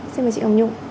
xin mời chị hồng nhung